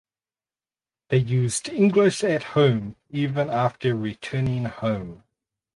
They used English at home even after returning home.